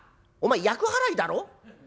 「お前厄払いだろ？